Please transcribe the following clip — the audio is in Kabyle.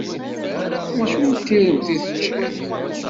Acu n tiremt i teččiḍ?